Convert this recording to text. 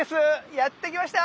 やって来ました。